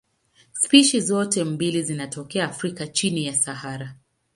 Spishi zote mbili zinatokea Afrika chini ya Sahara.